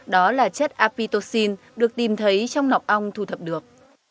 đó là chất apitocin được tìm thấy trong nọc ong thu thập được